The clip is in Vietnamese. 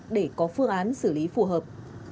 để có phương án xử lý phù hợp